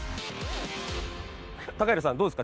平さんどうですか？